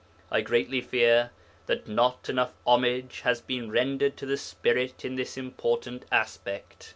I greatly fear that not enough homage has been rendered to the Spirit in this important aspect.